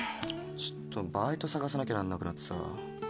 ちょっとバイト探さなきゃなんなくなってさ。